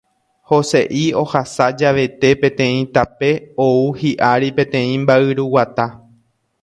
Jose'i ohasa javete peteĩ tape ou hi'ári peteĩ mba'yruguata.